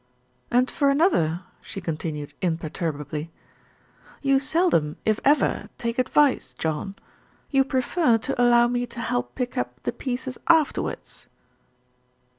"And for another," she continued imperturbably, "you seldom if ever take advice, John. You prefer to allow me to help pick up the pieces afterwards."